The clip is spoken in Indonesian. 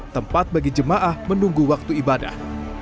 tempat bagi jemaah menunggu waktu ibadah